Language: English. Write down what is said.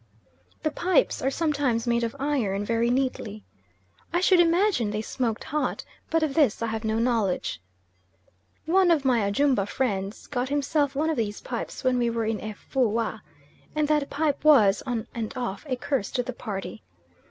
The pipes are sometimes made of iron very neatly. I should imagine they smoked hot, but of this I have no knowledge. One of my Ajumba friends got himself one of these pipes when we were in Efoua, and that pipe was, on and off, a curse to the party.